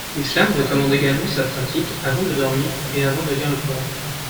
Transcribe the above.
L'islam recommande également sa pratique avant de dormir et avant de lire le Coran.